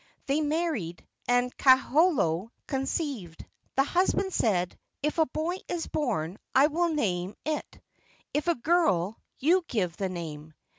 They married, and Kaholo conceived. The husband said, "If a boy is born, I will name it; if a girl, you give the name."